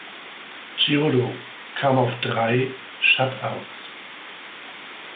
Chiodo kam auf drei Shutouts.